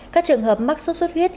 các trường hợp mắc sốt xuất huyết